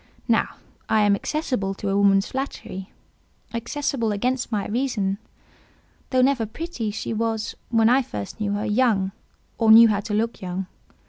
Now, I am accessible to a woman's flattery—accessible against my reason. Though never pretty, she was—when I first knew her—young, or knew how to look young.